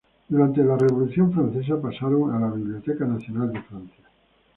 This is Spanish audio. Durante la Revolución Francesa pasaron a la Biblioteca Nacional de Francia.